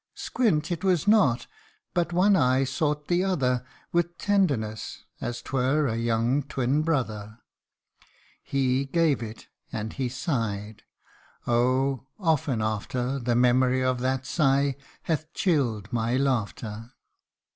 Squint it was not but one eye sought the other With tenderness, as 'twere a young twin brother. He gave it, and he sighed : oh ! often after The memory of that sigh hath chilTd my laughter.